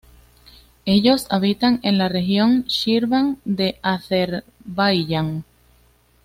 Ellos habitan en la región Shirvan de Azerbaiyán.